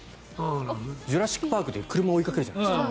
「ジュラシック・パーク」で車を追いかけるじゃないですか。